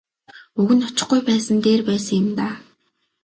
Уг нь очихгүй байсан нь дээр байсан юм даа.